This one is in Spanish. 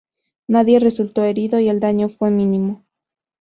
Nadie resultó herido, y el daño fue mínimo.